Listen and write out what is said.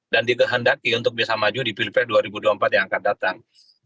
dan dikehendaki untuk bisa maju di pilpres dua ribu dua puluh empat yang akan datang